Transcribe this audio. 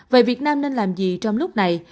vậy việt nam nên làm gì trong lúc này